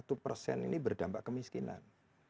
nah ini yang ini yang mesti kita kita harus mengerti